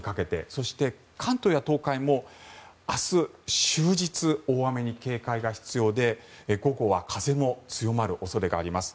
そして、関東や東海も明日終日大雨に警戒が必要で午後は風も強まる恐れがあります。